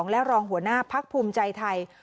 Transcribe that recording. และรองหัวหน้าพักภูมิใจไทย